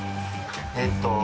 えっと